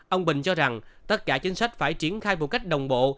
ông bình cho rằng tất cả chính sách phải triển khai một cách đồng bộ